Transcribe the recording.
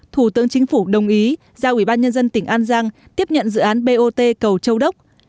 thủ tướng chính phủ đồng ý giao ủy ban nhân dân tỉnh an giang tiếp nhận dự án bot cầu châu đốc